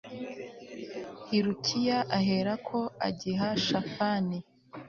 hilukiya aherako agiha shafani